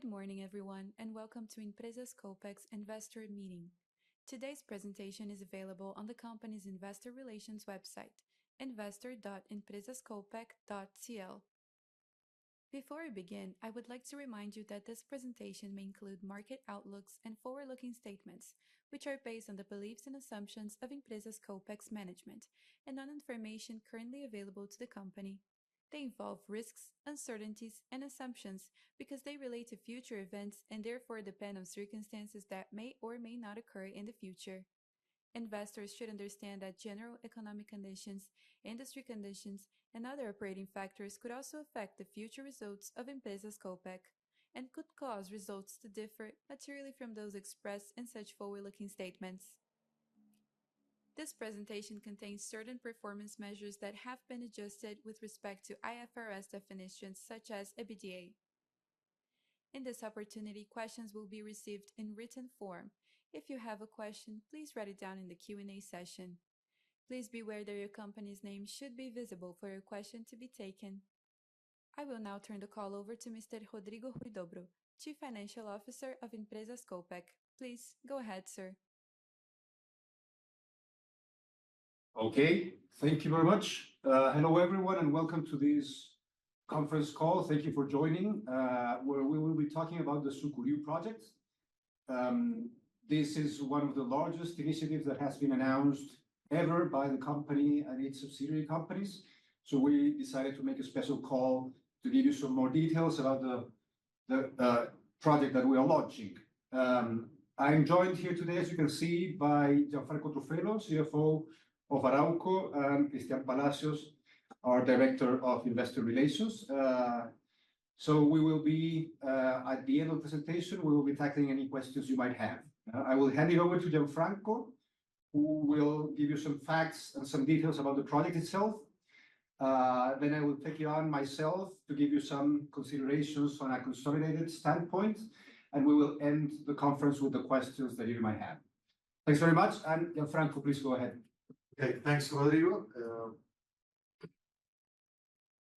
Good morning, everyone, and welcome to Empresas Copec's investor meeting. Today's presentation is available on the company's investor relations website, investor.empresascopec.cl. Before we begin, I would like to remind you that this presentation may include market outlooks and forward-looking statements, which are based on the beliefs and assumptions of Empresas Copec's management and on information currently available to the company. They involve risks, uncertainties, and assumptions because they relate to future events and therefore depend on circumstances that may or may not occur in the future. Investors should understand that general economic conditions, industry conditions, and other operating factors could also affect the future results of Empresas Copec and could cause results to differ materially from those expressed in such forward-looking statements. This presentation contains certain performance measures that have been adjusted with respect to IFRS definitions, such as EBITDA. In this opportunity, questions will be received in written form. If you have a question, please write it down in the Q&A session. Please be aware that your company's name should be visible for your question to be taken. I will now turn the call over to Mr. Rodrigo Huidobro, Chief Financial Officer of Empresas Copec. Please go ahead, sir. Okay. Thank you very much. Hello, everyone, and welcome to this conference call. Thank you for joining, where we will be talking about the Sucuriú project. This is one of the largest initiatives that has been announced ever by the company and its subsidiary companies, so we decided to make a special call to give you some more details about the project that we are launching. I'm joined here today, as you can see, by Gianfranco Truffello, CFO of Arauco, and Cristián Palacios, our Director of Investor Relations. So we will be... At the end of the presentation, we will be tackling any questions you might have. I will hand it over to Gianfranco, who will give you some facts and some details about the project itself. Then I will take you on myself to give you some considerations from a consolidated standpoint, and we will end the conference with the questions that you might have. Thanks very much, and Gianfranco, please go ahead. Okay. Thanks, Rodrigo.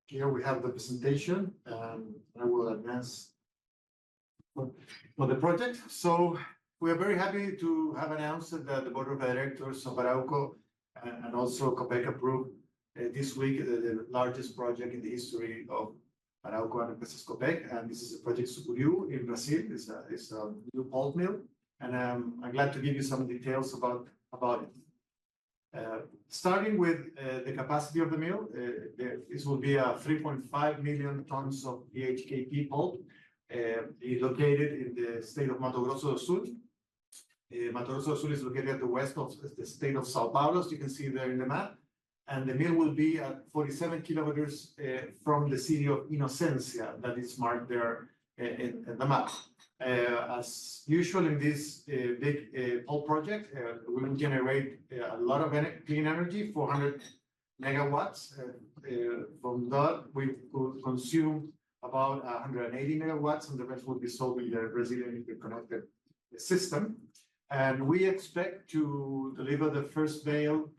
Here we have the presentation, and I will advance on the project. So we are very happy to have announced that the board of directors of Arauco and also Copec approved this week the largest project in the history of Arauco and Empresas Copec, and this is the Sucuriú Project in Brazil. It's a new pulp mill, and I'm glad to give you some details about it. Starting with the capacity of the mill, this will be 3.5 million tons of BHKP pulp, located in the state of Mato Grosso do Sul. Mato Grosso do Sul is located at the west of the state of São Paulo, as you can see there in the map, and the mill will be at 47 km from the city of Inocência that is marked there in the map. As usual, in this big pulp project, we will generate a lot of clean energy, 400 MW. From that, we could consume about 180 MW, and the rest will be sold in the Brazilian interconnected system. We expect to deliver the first bale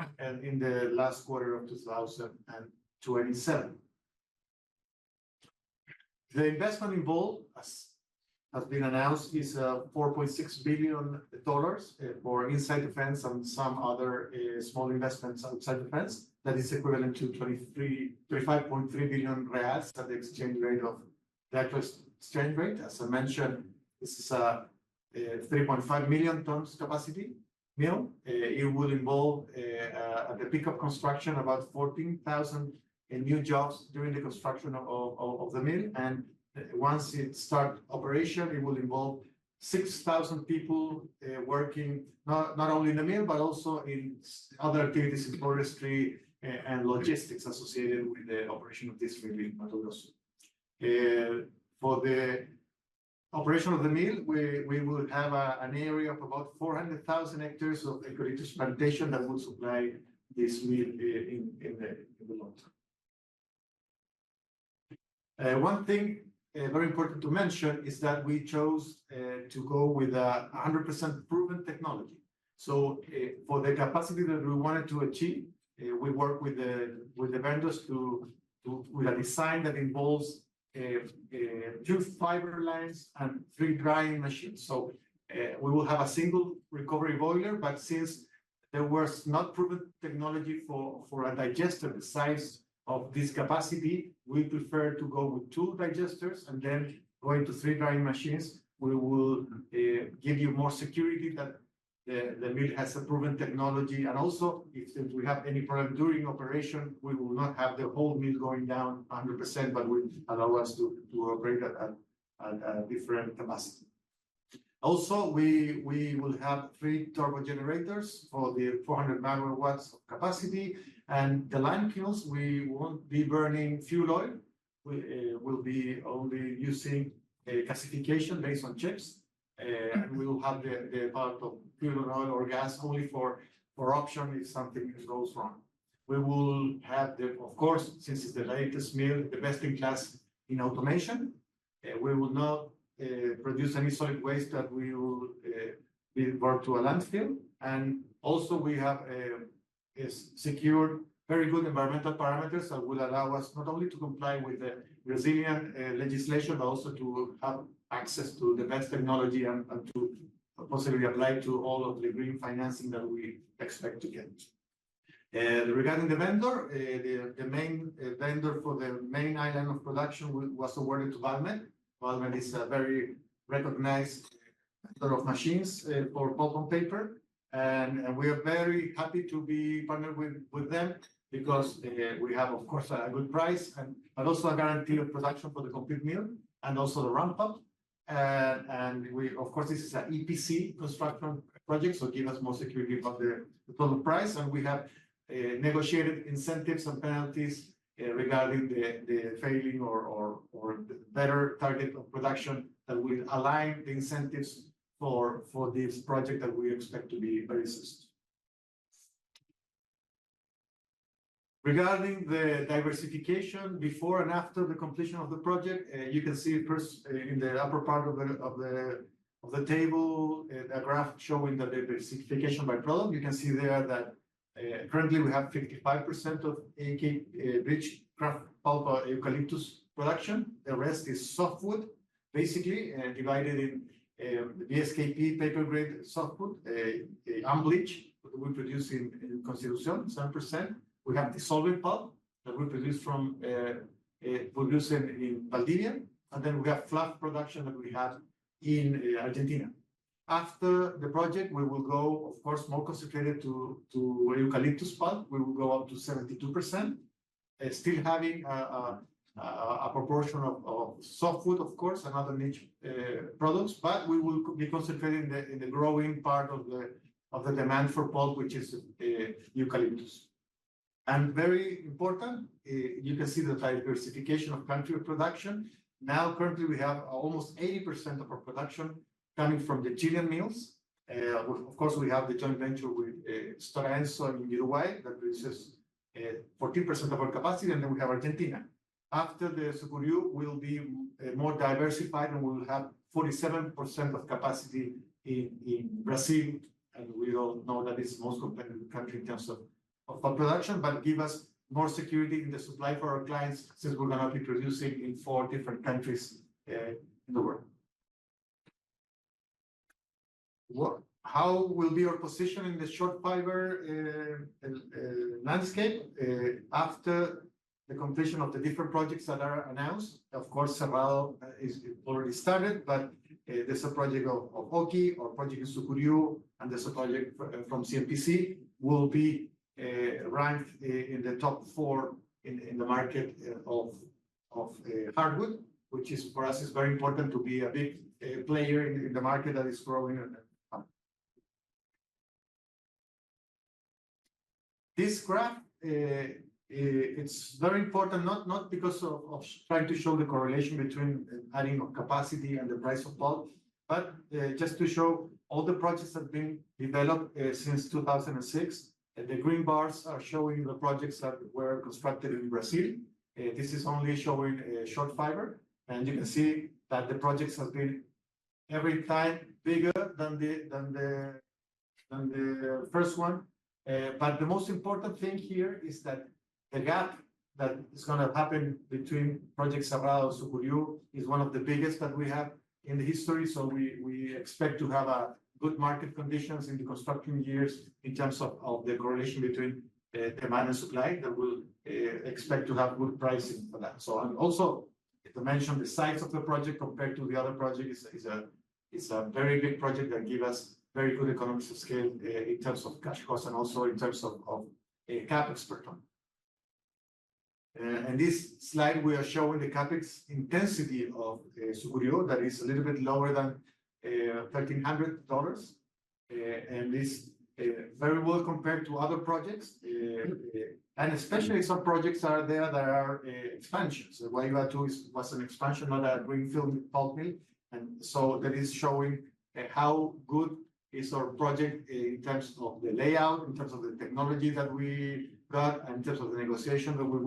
in the last quarter of 2027. The investment involved, as has been announced, is $4.6 billion for inside the fence and some other small investments outside the fence. That is equivalent to 23.35 billion reais at the exchange rate of... That exchange rate. As I mentioned, this is a 3.5 million tons capacity mill. It will involve, at the peak of construction, about 14,000 new jobs during the construction of the mill, and once it start operation, it will involve 6,000 people working not only in the mill, but also in other activities in forestry and logistics associated with the operation of this mill in Mato Grosso do Sul. For the operation of the mill, we will have an area of about 400,000 hectares of eucalyptus plantation that will supply this mill in the long term. One thing, very important to mention is that we chose to go with 100% proven technology. So, for the capacity that we wanted to achieve, we worked with the vendors with a design that involves two fiber lines and three drying machines. So, we will have a single recovery boiler, but since there was not proven technology for a digester the size of this capacity, we preferred to go with two digesters and then going to three drying machines. We will give you more security that the mill has a proven technology, and also, if we have any problem during operation, we will not have the whole mill going down 100%, but will allow us to operate at different capacity. Also, we will have three turbo generators for the 400 MW of capacity, and the lime kilns, we won't be burning fuel oil. We will be only using a calcination based on chips, and we will have the part of fuel oil or gas only for option, if something goes wrong. Of course, since it's the latest mill, the best-in-class in automation. We will not produce any solid waste that will be brought to a landfill, and also we have secured very good environmental parameters that will allow us not only to comply with the Brazilian legislation, but also to have access to the best technology and to possibly apply to all of the green financing that we expect to get. Regarding the vendor, the main vendor for the main island of production was awarded to Valmet. Valmet is a very recognized builder of machines for pulp and paper, and we are very happy to be partnered with them because we have of course a good price and, but also a guarantee of production for the complete mill and also the ramp-up. And we of course, this is an EPC construction project, so give us more security about the total price, and we have negotiated incentives and penalties regarding the failing or the better target of production that will align the incentives for this project that we expect to be very successful. Regarding the diversification before and after the completion of the project, you can see first, in the upper part of the table, a graph showing the diversification by product. You can see there that, currently we have 55% of BHKP, bleached kraft pulp, eucalyptus production. The rest is softwood, basically, divided in, the BSKP paper grade softwood, unbleached, that we produce in Constitución, 7%. We have the dissolving pulp that we produce from producing in Valdivia, and then we have fluff production that we have in Argentina. After the project, we will go, of course, more concentrated to eucalyptus pulp. We will go up to 72%, still having a proportion of softwood, of course, and other niche products, but we will be concentrating in the growing part of the demand for pulp, which is eucalyptus. And very important, you can see the diversification of country of production. Now, currently, we have almost 80% of our production coming from the Chilean mills. Of course, we have the joint venture with Stora Enso in Uruguay, that produces 14% of our capacity, and then we have Argentina. After the Sucuriú, we'll be more diversified, and we will have 47% of capacity in Brazil, and we all know that it's the most competitive country in terms of pulp production, but give us more security in the supply for our clients, since we're going to be producing in four different countries in the world. How will be our position in the short fiber landscape after the completion of the different projects that are announced? Of course, Cerrado is already started, but there's a project of Suzano, our project in Sucuriú, and there's a project from CMPC, will be ranked in the top four in the market of hardwood, which, for us, is very important to be a big player in the market that is growing. This graph, it's very important, not because of trying to show the correlation between adding of capacity and the price of pulp, but just to show all the projects that have been developed since 2006. The green bars are showing the projects that were constructed in Brazil. This is only showing short fiber, and you can see that the projects have been every time bigger than the first one, but the most important thing here is that the gap that is gonna happen between Cerrado Project and Sucuriú Project is one of the biggest that we have in the history, so we expect to have good market conditions in the construction years in terms of the correlation between the demand and supply, that we'll expect to have good pricing for that. If I mention the size of the project compared to the other projects, it's a very big project that give us very good economics of scale in terms of cash costs and also in terms of CapEx per ton. In this slide, we are showing the CapEx intensity of Sucuriú, that is a little bit lower than $1,300. And this very well compared to other projects, and especially some projects that are expansions. The Guaíba 2 was an expansion, not a greenfield pulp mill, and so that is showing how good is our project in terms of the layout, in terms of the technology that we got, in terms of the negotiation that we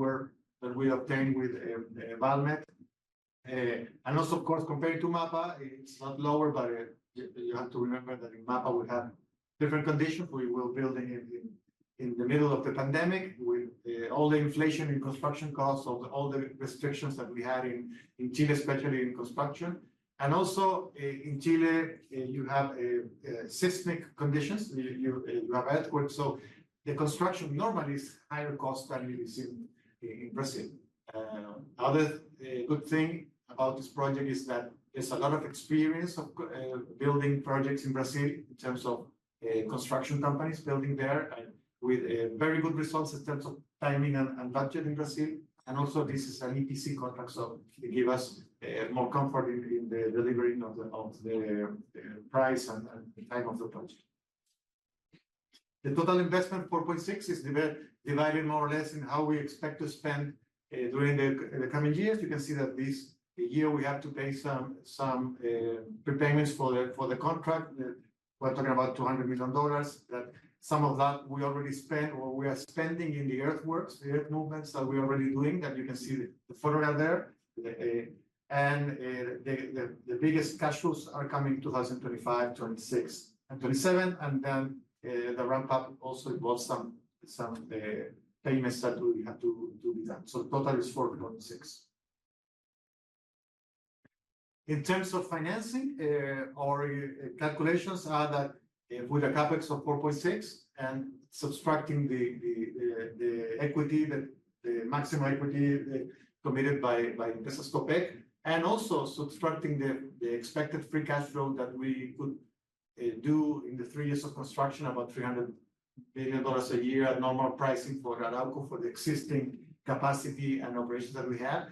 obtained with Valmet. And also, of course, compared to MAPA, it's not lower, but you have to remember that in MAPA, we have different conditions. We were building in the middle of the pandemic, with all the inflation in construction costs, so all the restrictions that we had in Chile, especially in construction. Also, in Chile, you have seismic conditions. You have earthquake, so the construction normally is higher cost than it is in Brazil. Another good thing about this project is that there's a lot of experience of building projects in Brazil in terms of construction companies building there, and with very good results in terms of timing and budget in Brazil. And also, this is an EPC contract, so it give us more comfort in the delivering of the price and the time of the project. The total investment, $4.6 billion, is divided more or less in how we expect to spend during the coming years. You can see that this year we have to pay some pre-payments for the contract. We're talking about $200 million, that some of that we already spent or we are spending in the earthworks, the earth movements that we are already doing, that you can see the photograph there. And the biggest cash flows are coming in 2025, 2026, and 2027, and then the ramp-up also involves some payments that we have to be done. So the total is $4.6 billion. In terms of financing, our calculations are that with a CapEx of $4.6 billion and subtracting the equity, the maximum equity committed by Empresas Copec, and also subtracting the expected free cash flow that we could do in the three years of construction, about $300 million a year at normal pricing for ARAUCO, for the existing capacity and operations that we have.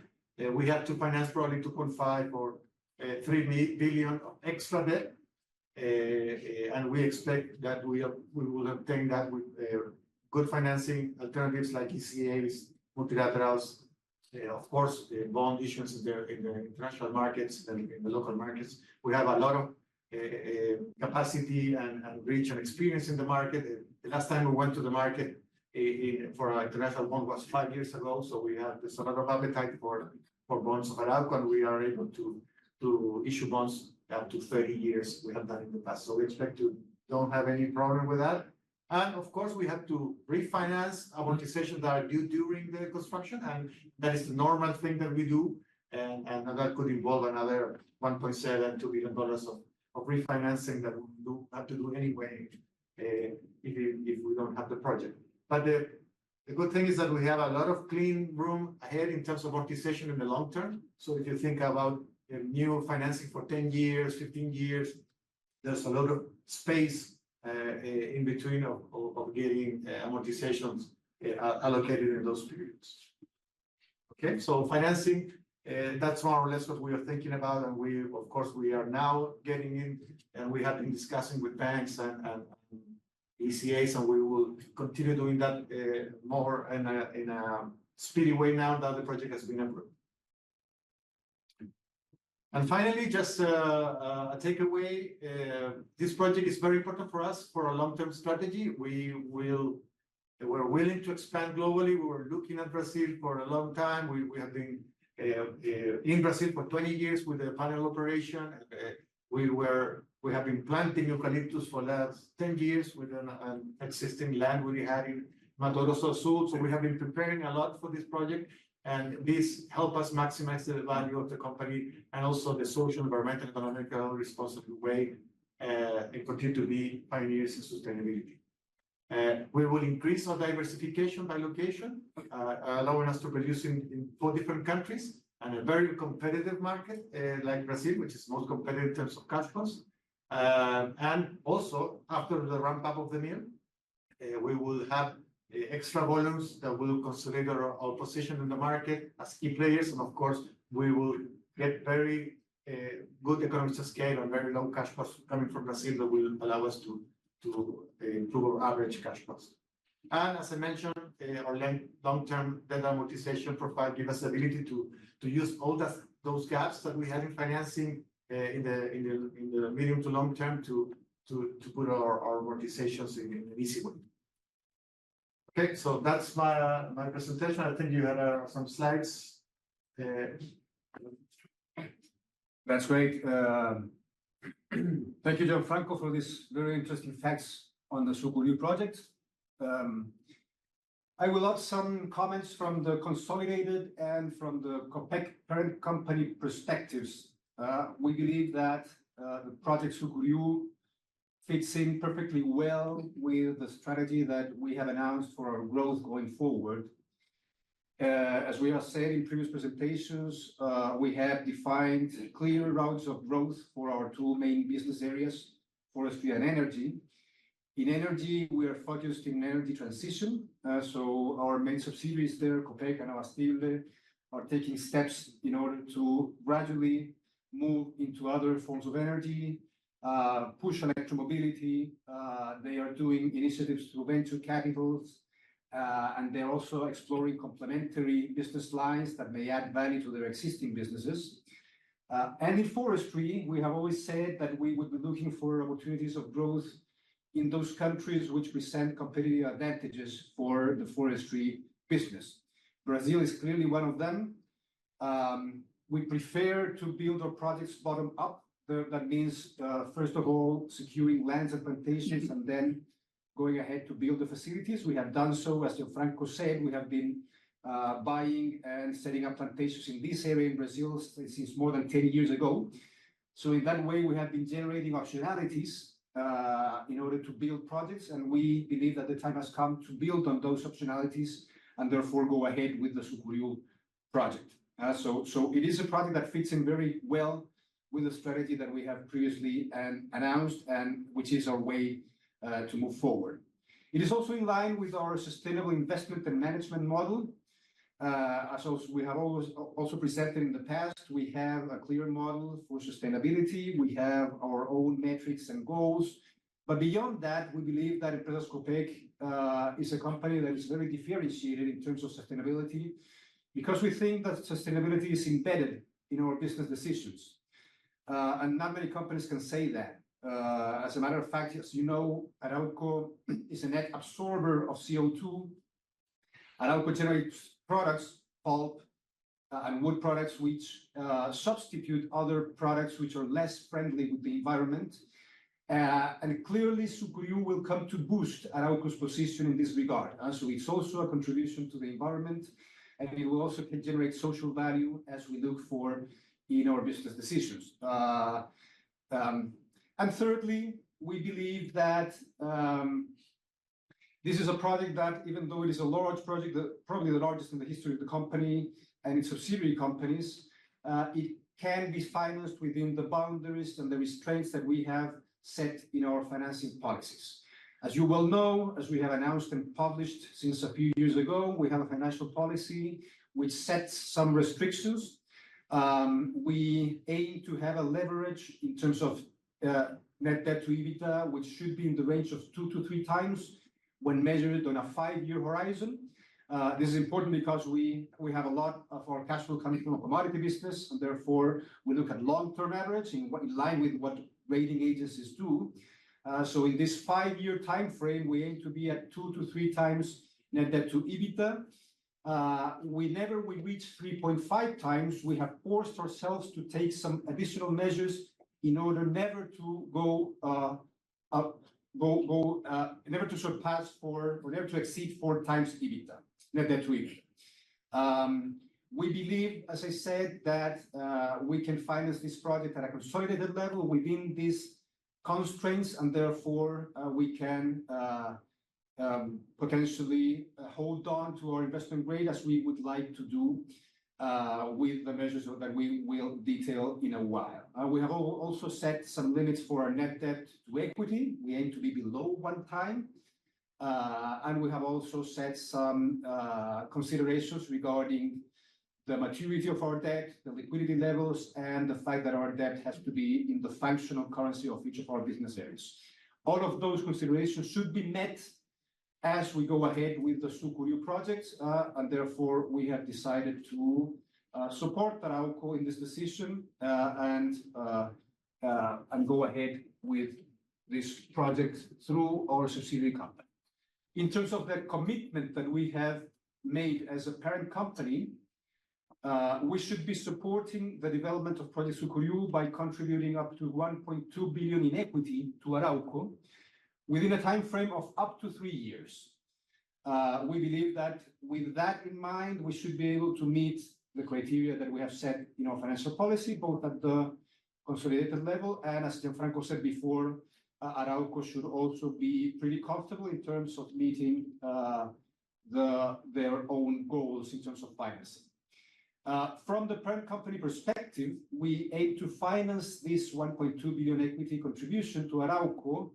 We have to finance probably $2.5 billion-$3 billion extra debt. And we expect that we will obtain that with good financing alternatives like ECAs, multilaterals, of course, the bond issuance in the international markets and in the local markets. We have a lot of capacity and reach and experience in the market. The last time we went to the market for international bond was five years ago, so there's a lot of appetite for bonds of ARAUCO, and we are able to issue bonds up to 30 years. We have done in the past, so we expect to don't have any problem with that. And of course, we have to refinance amortizations that are due during the construction, and that is the normal thing that we do, and that could involve another $1.7 billion of refinancing that we have to do anyway, if we don't have the project. But the good thing is that we have a lot of clean room ahead in terms of amortization in the long term. So if you think about a new financing for 10 years, 15 years, there's a lot of space in between of getting amortizations allocated in those periods. Okay, so financing, that's more or less what we are thinking about, and we of course, we are now getting in, and we have been discussing with banks and ECAs, and we will continue doing that, more in a speedy way now that the project has been approved. And finally, just a takeaway. This project is very important for us for our long-term strategy. We are willing to expand globally. We were looking at Brazil for a long time. We have been in Brazil for 20 years with a panel operation. We have been planting eucalyptus for the last ten years within existing land we had in Mato Grosso do Sul. So we have been preparing a lot for this project, and this help us maximize the value of the company and also the social, environmental, economical, responsible way, and continue to be pioneers in sustainability. We will increase our diversification by location, allowing us to produce in four different countries and a very competitive market like Brazil, which is the most competitive in terms of cash flows. And also, after the ramp-up of the mill, we will have extra volumes that will consolidate our position in the market as key players, and of course, we will get very good economies of scale and very low cash costs coming from Brazil that will allow us to improve our average cash costs. And as I mentioned, our long-term debt amortization profile give us the ability to use all those gaps that we have in financing in the medium to long term to put our amortizations in an easy way. Okay, so that's my presentation. I think you had some slides. That's great. Thank you, Gianfranco, for these very interesting facts on the Sucuriú project. I will add some comments from the consolidated and from the Copec parent company perspectives. We believe that the project Sucuriú fits in perfectly well with the strategy that we have announced for our growth going forward. As we have said in previous presentations, we have defined clear routes of growth for our two main business areas: forestry and energy. In energy, we are focused in energy transition, so our main subsidiaries there, Copec and Abastible, are taking steps in order to gradually move into other forms of energy, push electromobility. They are doing initiatives through venture capitals, and they're also exploring complementary business lines that may add value to their existing businesses. And in forestry, we have always said that we would be looking for opportunities of growth in those countries which present competitive advantages for the forestry business. Brazil is clearly one of them. We prefer to build our projects bottom up. That means, first of all, securing lands and plantations and then going ahead to build the facilities. We have done so. As Gianfranco said, we have been buying and setting up plantations in this area in Brazil since more than ten years ago. So in that way, we have been generating optionalities, in order to build projects, and we believe that the time has come to build on those optionalities and therefore go ahead with the Sucuriú project. So it is a project that fits in very well with the strategy that we have previously announced and which is our way to move forward. It is also in line with our sustainable investment and management model. As we have always also presented in the past, we have a clear model for sustainability. We have our own metrics and goals. But beyond that, we believe that Empresas Copec is a company that is very differentiated in terms of sustainability, because we think that sustainability is embedded in our business decisions and not many companies can say that. As a matter of fact, as you know, ARAUCO is a net absorber of CO2. ARAUCO generates products, pulp and wood products, which substitute other products which are less friendly with the environment. And clearly, Sucuriú will come to boost ARAUCO's position in this regard. So it's also a contribution to the environment, and it will also generate social value as we look for in our business decisions. And thirdly, we believe that this is a project that even though it is a large project, probably the largest in the history of the company and its subsidiary companies, it can be financed within the boundaries and the restraints that we have set in our financing policies. As you well know, as we have announced and published since a few years ago, we have a financial policy which sets some restrictions. We aim to have a leverage in terms of net debt to EBITDA, which should be in the range of two to three times when measured on a five-year horizon. This is important because we have a lot of our cash flow coming from the commodity business, and therefore, we look at long-term average in line with what rating agencies do. In this five-year timeframe, we aim to be at two to three times net debt to EBITDA. Whenever we reach three point five times, we have forced ourselves to take some additional measures in order never to go up, never to surpass four or never to exceed four times EBITDA, net debt to EBITDA. We believe, as I said, that we can finance this project at a consolidated level within these constraints, and therefore, we can potentially hold on to our investment grade as we would like to do, with the measures that we will detail in a while. We have also set some limits for our net debt to equity. We aim to be below one time. We have also set some considerations regarding the maturity of our debt, the liquidity levels, and the fact that our debt has to be in the functional currency of each of our business areas. All of those considerations should be met as we go ahead with the Sucuriú projects. Therefore, we have decided to support Arauco in this decision and go ahead with this project through our subsidiary company. In terms of the commitment that we have made as a parent company, we should be supporting the development of the Sucuriú Project by contributing up to $1.2 billion in equity to Arauco within a timeframe of up to three years. We believe that with that in mind, we should be able to meet the criteria that we have set in our financial policy, both at the consolidated level, and as Gianfranco said before, Arauco should also be pretty comfortable in terms of meeting the their own goals in terms of financing. From the parent company perspective, we aim to finance this $1.2 billion equity contribution to Arauco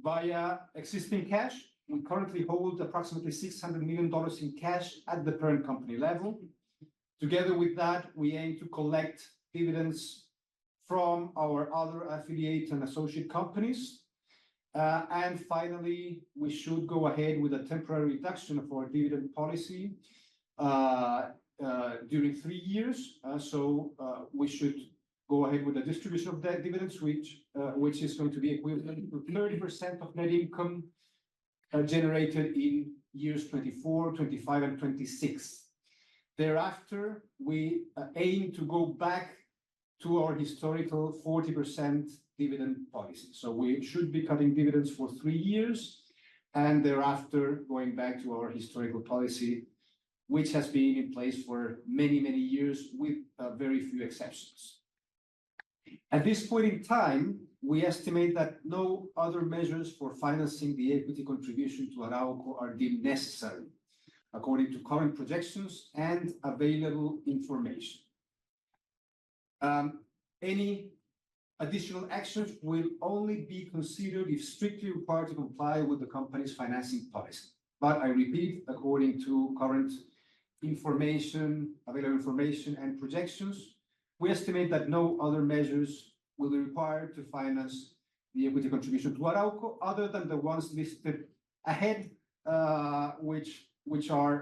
via existing cash. We currently hold approximately $600 million in cash at the parent company level. Together with that, we aim to collect dividends from our other affiliate and associate companies. And finally, we should go out ahead with a temporary reduction of our dividend policy during three years. We should go ahead with the distribution of the dividends, which is going to be equivalent to 30% of net income generated in years 2024, 2025, and 2026. Thereafter, we aim to go back to our historical 40% dividend policy. We should be cutting dividends for three years, and thereafter, going back to our historical policy, which has been in place for many, many years, with very few exceptions. At this point in time, we estimate that no other measures for financing the equity contribution to Arauco are deemed necessary, according to current projections and available information. Any additional actions will only be considered if strictly required to comply with the company's financing policy. But I repeat, according to current information, available information, and projections, we estimate that no other measures will be required to finance the equity contribution to Arauco, other than the ones listed ahead, which are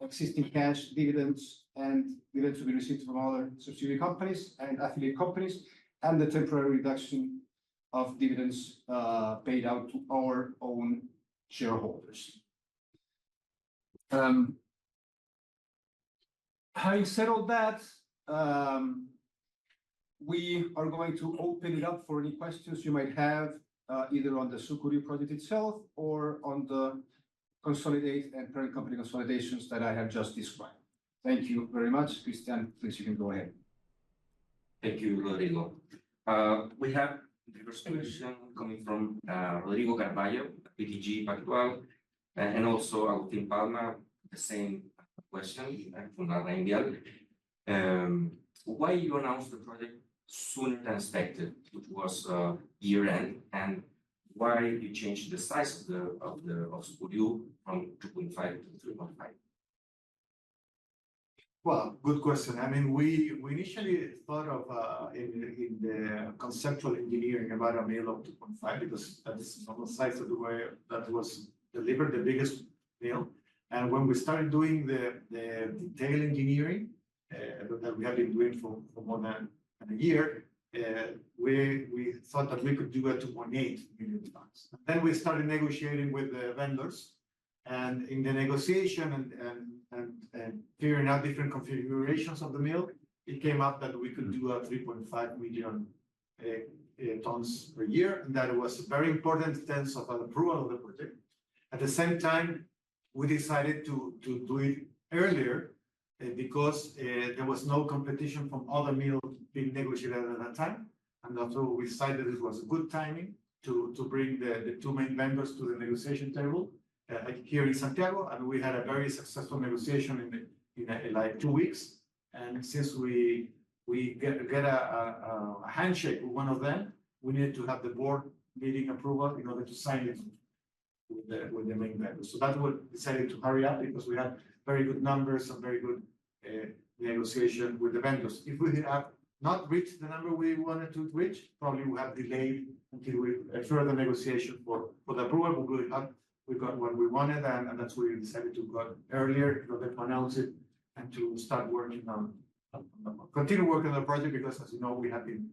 existing cash dividends and dividends to be received from other subsidiary companies and affiliate companies, and the temporary reduction of dividends paid out to our own shareholders. Having said all that, we are going to open it up for any questions you might have, either on the Sucuriú project itself or on the consolidated and parent company consolidations that I have just described. Thank you very much. Cristián, please, you can go ahead. Thank you, Rodrigo. We have the first question coming from Rodrigo Carvalho, BTG Pactual, and also Agustín Palma, the same question from MBI Inversiones. Why you announce the project sooner than expected, which was year-end? And why you changed the size of the Sucuriú from 2.5-3.5? Good question. I mean, we initially thought of in the conceptual engineering about a mill of 2.5, because that is almost the size of the way that was delivered, the biggest mill. When we started doing the detailed engineering that we have been doing for more than a year, we thought that we could do a 2.8 million tons. We started negotiating with the vendors-... and in the negotiation and figuring out different configurations of the mill, it came up that we could do 3.5 million tons per year, and that was a very important sense of an approval of the project. At the same time, we decided to do it earlier because there was no competition from other mills being negotiated at that time. And also, we decided it was good timing to bring the two main vendors to the negotiation table, like here in Santiago, and we had a very successful negotiation in like two weeks. And since we get a handshake with one of them, we needed to have the board meeting approval in order to sign it with the main vendor. So that's why we decided to hurry up, because we had very good numbers and very good negotiation with the vendors. If we had not reached the number we wanted to reach, probably we have delayed until we had further negotiation for the approval. But we got what we wanted, and that's why we decided to go out earlier in order to announce it and to start working on continue working on the project, because as you know, we have been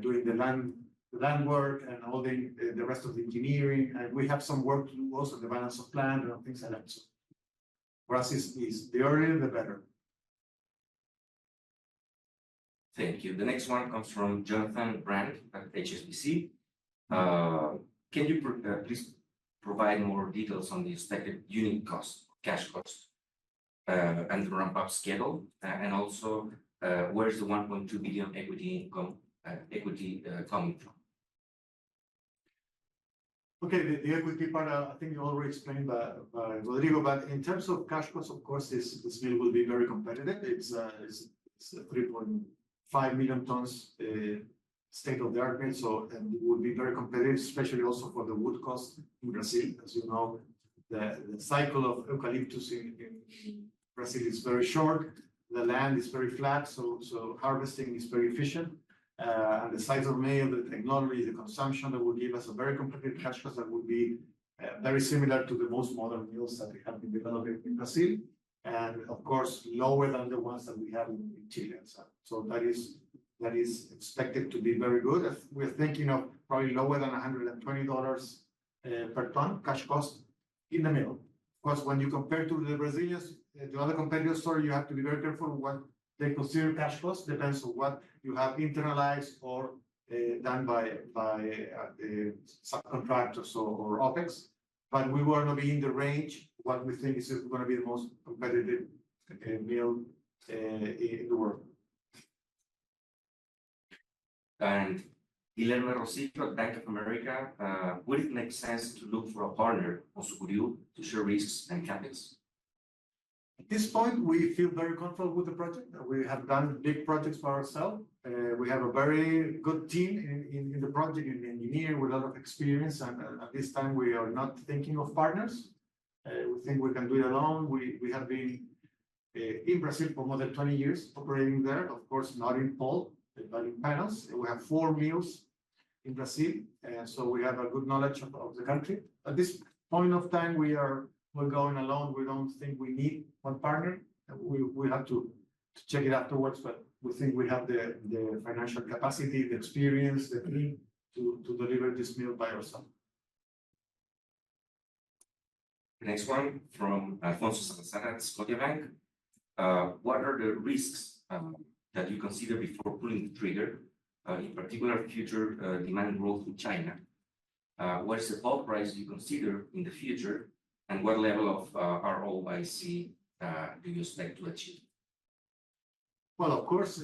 doing the land work and all the rest of the engineering. And we have some work to do also, the balance of plant and things like that. So for us, the earlier the better. Thank you. The next one comes from Jonathan Brandt at HSBC. Can you please provide more details on the expected unit cost, cash cost, and the ramp-up schedule? And also, where is the 1.2 billion equity income coming from? Okay, the equity part, I think you already explained by Rodrigo, but in terms of cash costs, of course, this mill will be very competitive. It's a 3.5 million tons, state-of-the-art mill, so and it would be very competitive, especially also for the wood cost in Brazil. As you know, the cycle of eucalyptus in Brazil is very short. The land is very flat, so harvesting is very efficient. The size of mill, the technology, the consumption, that will give us a very competitive cash cost that would be very similar to the most modern mills that we have been developing in Brazil, and of course, lower than the ones that we have in Chile. That is expected to be very good. We're thinking of probably lower than $120 per ton cash cost in the mill. Of course, when you compare to the Brazilians, the other competitors, so you have to be very careful what they consider cash cost. Depends on what you have internalized or done by the subcontractors or OpEx. But we will now be in the range, what we think is gonna be the most competitive mill in the world. And Guilherme Rosito at Bank of America. Would it make sense to look for a partner on Sucuriú to share risks and CapEx? At this point, we feel very comfortable with the project. We have done big projects by ourselves. We have a very good team in the project, in engineering, with a lot of experience, and at this time, we are not thinking of partners. We think we can do it alone. We have been in Brazil for more than twenty years, operating there, of course, not in pulp, but in panels. We have four mills in Brazil, and so we have a good knowledge of the country. At this point in time, we are. We're going alone. We don't think we need one partner. We have to check it afterwards, but we think we have the financial capacity, the experience, the team to deliver this mill by ourselves. The next one from Alfonso Salazar at Scotiabank. What are the risks that you consider before pulling the trigger, in particular, future demand growth in China? What is the pulp price you consider in the future, and what level of ROIC do you expect to achieve? Of course,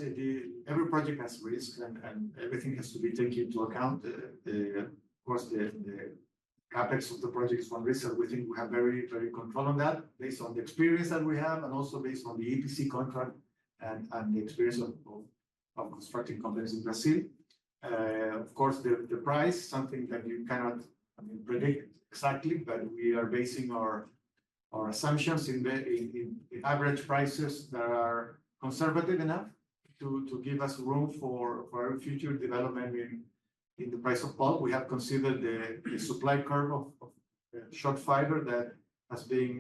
every project has risk, and everything has to be taken into account. Of course, the CapEx of the project is one risk, so we think we have very good control on that based on the experience that we have and also based on the EPC contract and the experience of construction companies in Brazil. Of course, the price, something that you cannot, I mean, predict exactly, but we are basing our assumptions in the average prices that are conservative enough to give us room for future development in the price of pulp. We have considered the supply curve of short fiber that has been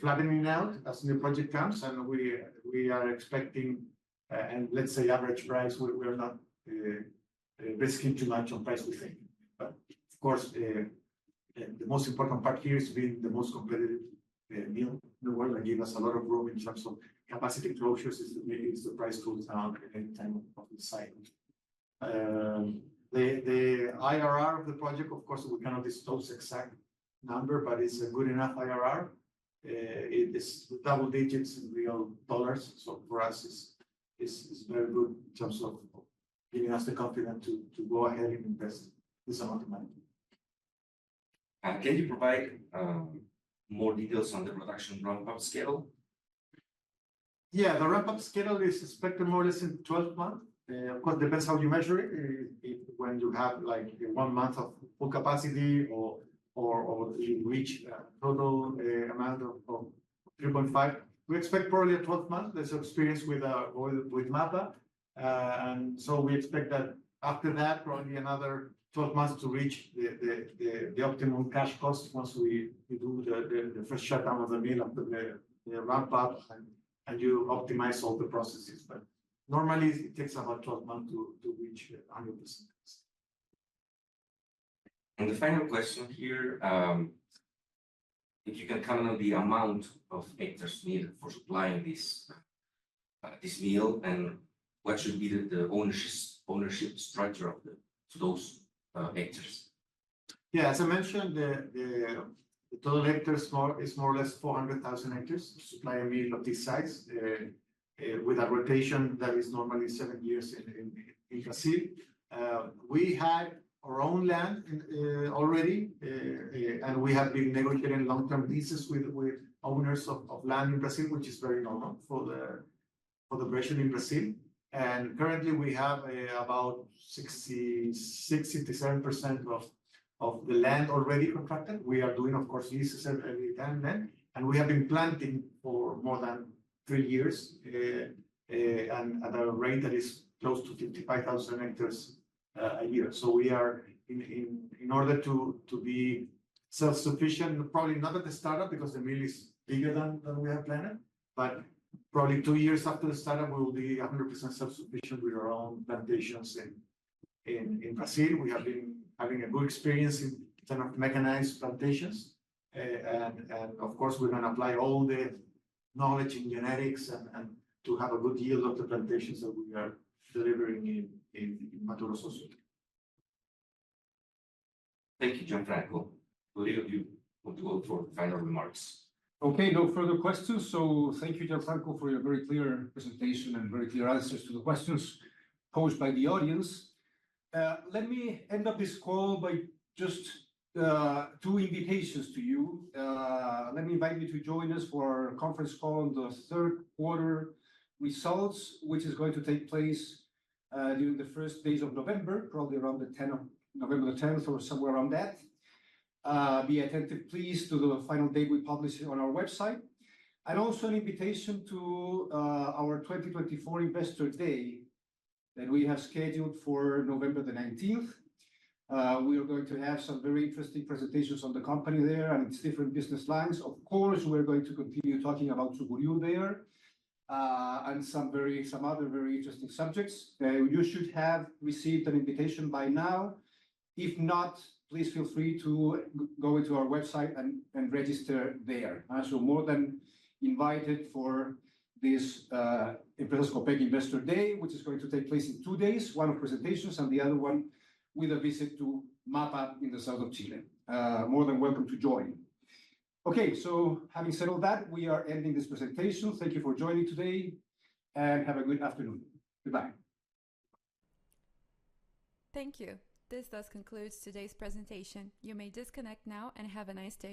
flattening out as new project comes, and we are expecting, and let's say average price, we are not risking too much on price, we think. But of course, the most important part here is being the most competitive mill in the world and give us a lot of room in terms of capacity closures if the price goes down at any time of the cycle. The IRR of the project, of course, we cannot disclose exact number, but it's a good enough IRR. It is double digits in real dollars, so for us, it's very good in terms of giving us the confidence to go ahead and invest this amount of money. Can you provide more details on the production ramp-up schedule? Yeah, the ramp-up schedule is expected more or less in 12 months. Of course, depends how you measure it. If when you have, like, one month of full capacity or you reach a total amount of 3.5. We expect probably 12 months. There's experience with MAPA. And so we expect that after that, probably another 12 months to reach the optimum cash cost once we do the first shutdown of the mill after the ramp-up and you optimize all the processes, but normally it takes about 12 months to reach 100%. The final question here, if you can count on the amount of hectares needed for supplying this mill, and what should be the ownership structure of those hectares? Yeah, as I mentioned, the total hectares more is more or less 400,000 hectares to supply a mill of this size, with a rotation that is normally seven years in Brazil. We had our own land already, and we have been negotiating long-term leases with owners of land in Brazil, which is very normal for the operation in Brazil. Currently, we have about 60%-70% of the land already contracted. We are doing, of course, leases every time then, and we have been planting for more than three years, and at a rate that is close to 55,000 hectares a year. So we are in order to be self-sufficient, probably not at the startup, because the mill is bigger than we have planted, but probably two years after the startup, we will be 100% self-sufficient with our own plantations in Brazil. We have been having a good experience in terms of mechanized plantations, and of course, we're gonna apply all the knowledge in genetics and to have a good yield of the plantations that we are delivering in Mato Grosso do Sul. Thank you, Gianfranco. Well, either of you want to go for final remarks? Okay, no further questions. So thank you, Gianfranco, for your very clear presentation and very clear answers to the questions posed by the audience. Let me end up this call by just two invitations to you. Let me invite you to join us for our conference call on the third quarter results, which is going to take place during the first days of November, probably around November the tenth, or somewhere around that. Be attentive, please, to the final date we publish on our website. And also an invitation to our 2024 Investor Day that we have scheduled for November the nineteenth. We are going to have some very interesting presentations on the company there and its different business lines. Of course, we're going to continue talking about Sucuriú there, and some other very interesting subjects. You should have received an invitation by now. If not, please feel free to go into our website and register there. So more than invited for this, Empresas Copec Investor Day, which is going to take place in two days, one presentations and the other one with a visit to MAPA in the south of Chile. More than welcome to join. Okay, so having said all that, we are ending this presentation. Thank you for joining today, and have a good afternoon. Goodbye. Thank you. This thus concludes today's presentation. You may disconnect now, and have a nice day.